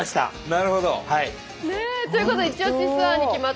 なるほど。ということでイチオシツアーに決まった友近さん